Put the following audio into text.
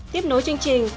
tiếp nối chương trình